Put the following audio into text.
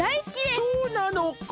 そうなのか。